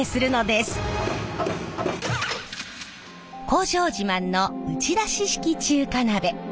工場自慢の打ち出し式中華鍋。